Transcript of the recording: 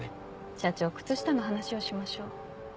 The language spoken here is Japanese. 社長靴下の話をしましょう。